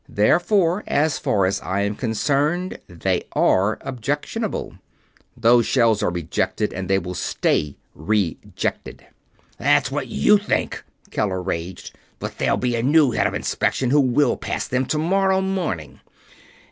Therefore, as far as I am concerned, they are objectionable. Those shell are rejected, and they will stay rejected." "That's what you think," Keller raged. "But there'll be a new Head of Inspection, who will pass them, tomorrow morning!"